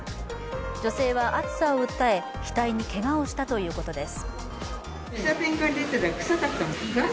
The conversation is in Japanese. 女性は熱さを訴え額にけがをしたということです。